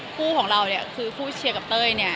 คู่ของเราเนี่ยคือคู่เชียร์กับเต้ยเนี่ย